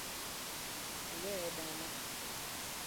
Iweye dala?